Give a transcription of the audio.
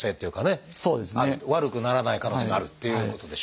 悪くならない可能性もあるっていうことでしょうかね。